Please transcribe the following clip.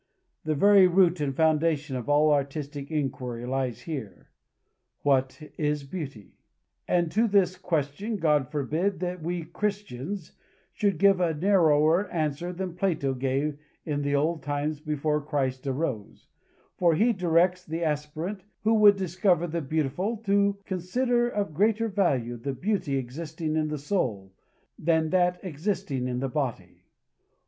The very root and foundation of all artistic inquiry lies here. What is beauty? And to this question God forbid that we Christians should give a narrower answer than Plato gave in the old times before Christ arose, for he directs the aspirant who would discover the beautiful to "consider of greater value the beauty existing in the soul, than that existing in the body."